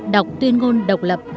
đọc tuyên ngôn độc lập